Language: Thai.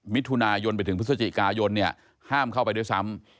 มิถุนายนไปถึงพฤศจิกายนเนี่ยห้ามเข้าไปด้วยซ้ำ